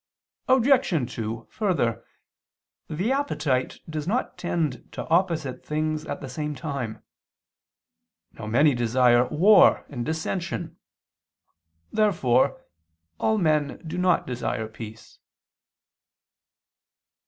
Obj. 2: Further, the appetite does not tend to opposite things at the same time. Now many desire war and dissension. Therefore all men do not desire peace.